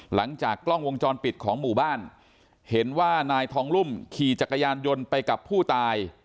หลังจากกล้องวงจรปิดของหมู่บ้านเห็นว่านายทองรุ่มขี่จักรยานยนต์ไปกับผู้ตาย